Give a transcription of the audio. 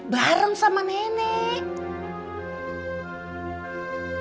bareng sama nenek